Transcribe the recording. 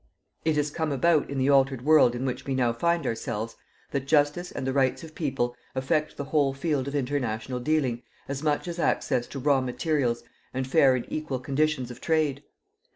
It has come about in the altered world in which we now find ourselves that justice and the rights of peoples affect the whole field of international dealing as much as access to raw materials and fair and equal conditions of trade.